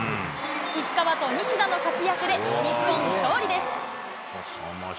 石川と西田の活躍で、日本、勝利です。